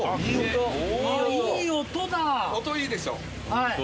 はい。